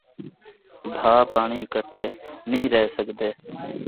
بھاہ پاݨی کٹّھے نِھیں ریہ سڳدے